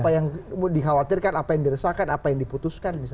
apa yang dikhawatirkan apa yang diresahkan apa yang diputuskan misalnya